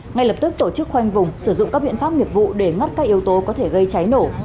ngay lập tức tổ chức khoanh vùng sử dụng các biện pháp nghiệp vụ để mắt các yếu tố có thể gây cháy nổ